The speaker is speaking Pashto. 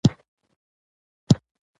ټوپکونو ته باروت، چرې او پلتې ور ولوېدې.